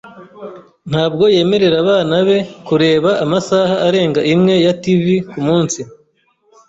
ntabwo yemerera abana be kureba amasaha arenga imwe ya TV kumunsi.